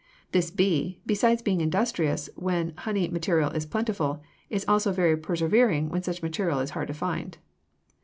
This bee, besides being industrious when honey material is plentiful, is also very persevering when such material is hard to find.